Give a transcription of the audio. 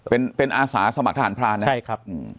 เป็นเป็นอาสาสมัครทหารพรานนะใช่ครับ